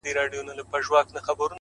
o چاته د يار خبري ډيري ښې دي ـa